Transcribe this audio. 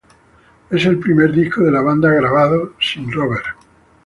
Es el primer disco de la banda grabado sin "Rober".